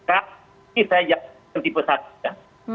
ini saya jelaskan tipe satu